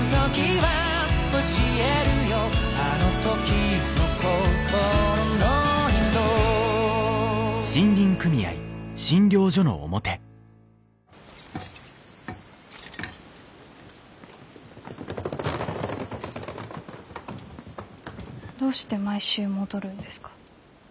「あの時の心の色」どうして毎週戻るんですか？